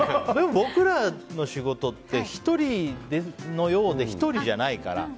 でも僕らの仕事って１人のようで１人じゃないから。